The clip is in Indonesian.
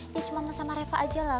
dia cuma sama reva aja lah